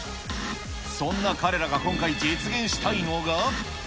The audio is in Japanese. そんな彼らが今回実現したいのが。